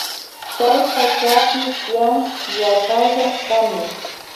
Kay pachapi tiyan yapalla tamia.